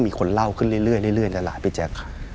มีคนเล่าขึ้นเรื่อยในตลาดพิเจ๊ก